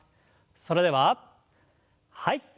それでははい。